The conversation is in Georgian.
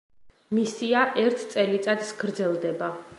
მისია ერთ წელიწადს გაგრძელდება.